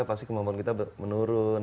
pasti kemampuan kita menurun